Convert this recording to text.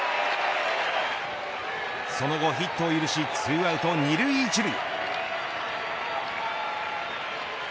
その後ヒットを許し２アウト２塁１塁。